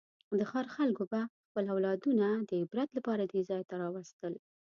د ښار خلکو به خپل اولادونه د عبرت لپاره دې ځای ته راوستل.